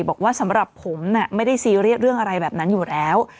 บอกว่าสำหรับผมไม่ได้ซีเรียสเรื่องอะไรแบบนั้นอยู่แล้ว